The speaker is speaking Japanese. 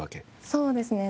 そうですね。